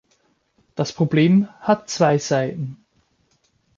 Das Problem hat zwei Seiten.